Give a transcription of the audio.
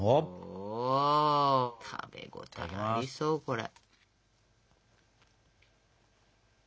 食べ応えありそうこれ。